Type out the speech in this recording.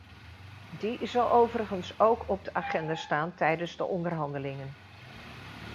Die zal overigens ook op de agenda staan tijdens de onderhandelingen.